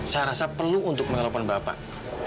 saya rasa perlu untuk menelpon bapak